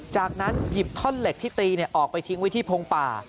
จากนั้นหยิบท่อนเหล็กที่ตีออกไปทิ้งไว้ที่พงป่า